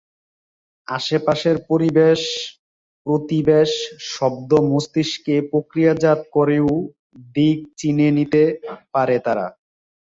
আশপাশের পরিবেশ-প্রতিবেশ, শব্দ মস্তিষ্কে প্রক্রিয়াজাত করেও দিক চিনে নিতে পারে তারা।